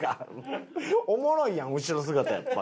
おもろいやん後ろ姿やっぱり。